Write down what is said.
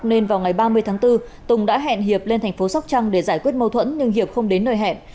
nên vào ngày ba mươi tháng bốn tùng đã hẹn hiệp lên thành phố sóc trăng để giải quyết mâu thuẫn nhưng hiệp không đến nơi hẹn